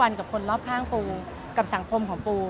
กับคนรอบข้างปูกับสังคมของปู